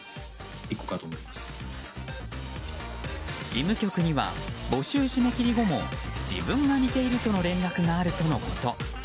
事務局には募集締め切り後も自分が似ているとの連絡があるとのこと。